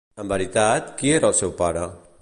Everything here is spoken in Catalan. En veritat, qui era el seu pare?